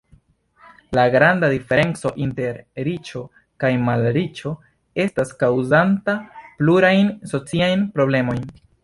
La granda diferenco inter riĉo kaj malriĉo estas kaŭzanta plurajn sociajn problemojn.